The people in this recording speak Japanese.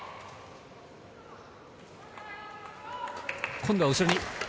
今度は後ろに。